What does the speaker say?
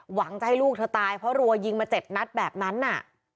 หวังจะให้ลูกเธอตายเพราะรัวยิงมา๗นัดแบบนั้นน่ะ